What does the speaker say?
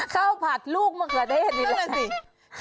ข้าวผัดลูกมะเขือเทศนี่แหละสิ